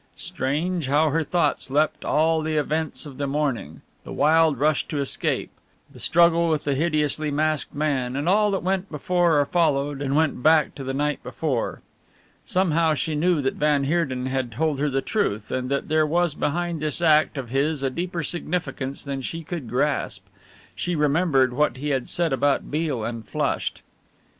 Strange how her thoughts leapt all the events of the morning: the wild rush to escape, the struggle with the hideously masked man, and all that went before or followed, and went back to the night before. Somehow she knew that van Heerden had told her the truth, and that there was behind this act of his a deeper significance than she could grasp. She remembered what he had said about Beale, and flushed.